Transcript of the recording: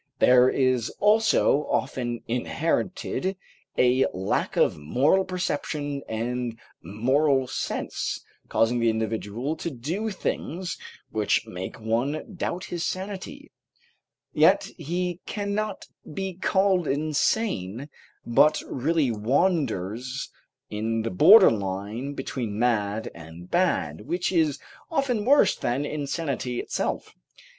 There is also often inherited a lack of moral perception and moral sense, causing the individual to do things which make one doubt his sanity; yet he can not be called insane, but really wanders in the border line between mad and bad, which is often worse than insanity itself.